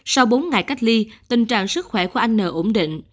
sau bốn ngày cách ly tình trạng sức khỏe của anh n ổn định